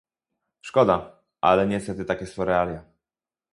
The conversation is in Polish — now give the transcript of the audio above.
Szkoda, ale niestety takie są realia